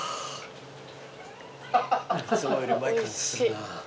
いつもよりうまい感じするな。